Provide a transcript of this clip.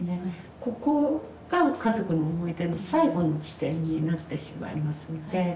ここが家族の思い出の最後の地点になってしまいますので。